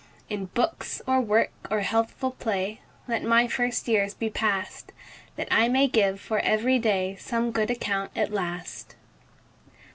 In books, or work, or healthful play, Let my first years be past, That I may give for ev'ry day Some good account at last.